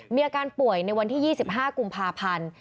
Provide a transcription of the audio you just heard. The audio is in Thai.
มีอาการป่วยในวันที่๒๕กุมภาพันธ์